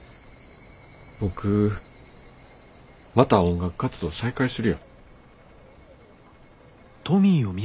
僕また音楽活動を再開するよ。